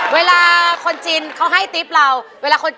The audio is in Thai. เวลาคนจีนเขาให้ติ๊บเรา